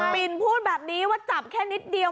มินพูดแบบนี้ว่าจับแค่นิดเดียว